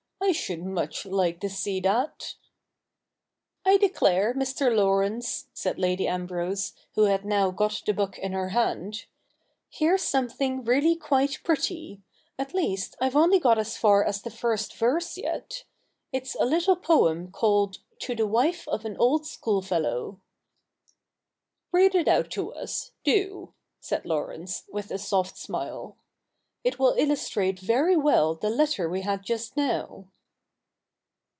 I should much like to see that.' M 178 THE NEW REPUBLIC [r.K. iii ' I declare, Mr. Laurence,' said Lady .Ambrose, who had now got the book in her hand, ' here's something really quite pretty — at least, I've only got as far as the first verse yet. It's a little poem called " To the Wife of an old Schoolfellow''' '' Read it out to us — do,' said Laurence, with a soft smile. ' It will illustrate very well the letter we had just now.'